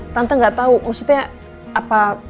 tante gak tahu maksudnya apa